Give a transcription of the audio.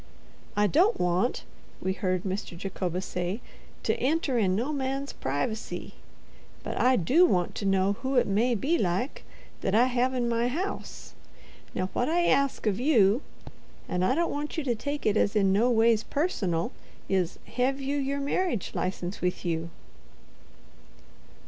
"I don't want," we heard Mr. Jacobus say, "to enter in no man's pry vacy; but I do want to know who it may be, like, that I hev in my house. Now what I ask of you, and I don't want you to take it as in no ways personal, is—hev you your merridge license with you?"